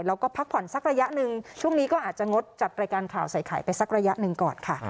แล้วก็พักผ่อนสักระยะหนึ่งช่วงนี้ก็อาจจะงดจัดรายการข่าวใส่ไข่ไปสักระยะหนึ่งก่อนค่ะ